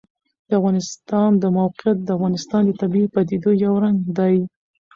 د افغانستان د موقعیت د افغانستان د طبیعي پدیدو یو رنګ دی.